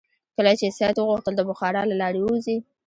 کله چې سید وغوښتل د بخارا له لارې ووځي.